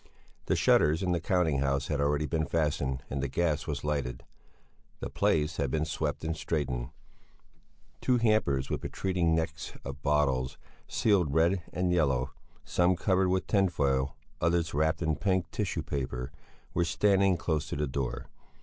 The shutters in the counting house had already been fastened and the gas was lighted. The place had been swept and straightened; two hampers with protruding necks of bottles, sealed red and yellow, some covered with tinfoil and others wrapped in pink tissue paper, were standing close to the door.